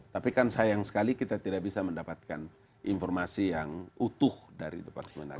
tapi kan sayang sekali kita tidak bisa mendapatkan informasi yang utuh dari departemen agama